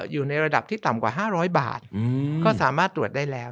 อยู่ในระดับที่ต่ำกว่า๕๐๐บาทก็สามารถตรวจได้แล้ว